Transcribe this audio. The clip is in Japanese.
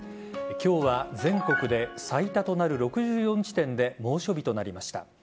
今日は全国で最多となる６４地点で猛暑日となりました。